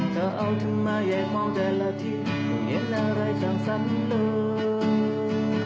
เธอเอาถึงมาใหญ่มองแต่ละทีไม่เห็นอะไรจากสั้นเลย